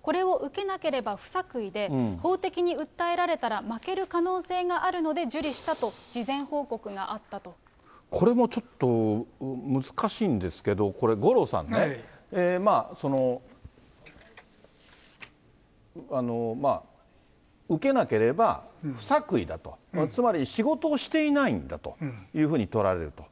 これを受けなければ不作為で、法的に訴えられたら負ける可能性があるので受理したと、事前報告これもちょっと、難しいんですけど、五郎さんね、受けなければ不作為だと、つまり仕事をしていないんだというふうに捉えられると。